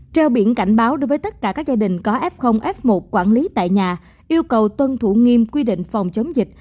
treo biển cảnh báo đối với tất cả các gia đình có f f một quản lý tại nhà yêu cầu tuân thủ nghiêm quy định phòng chống dịch